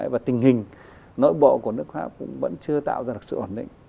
và tình hình nội bộ của nước pháp cũng vẫn chưa tạo ra được sự ổn định